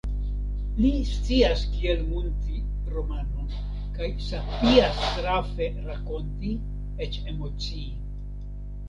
Li scias kiel munti romanon kaj sapias trafe rakonti, eĉ emocii.